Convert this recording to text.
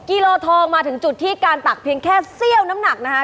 กิโลทองมาถึงจุดที่การตักเพียงแค่เสี้ยวน้ำหนักนะคะ